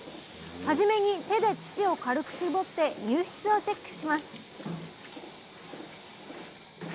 はじめに手で乳を軽くしぼって乳質をチェックします